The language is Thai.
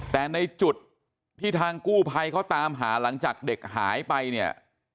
แต่ในจุดที่ทางกู้ภัยเขาตามหาหลังจากเด็กหายไปเนี่ย